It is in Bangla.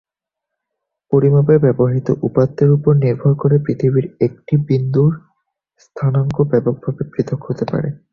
পরিমাপে ব্যবহৃত উপাত্তের উপর নির্ভর করে পৃথিবীর একটি বিন্দুর স্থানাঙ্ক ব্যাপকভাবে পৃথক হতে পারে।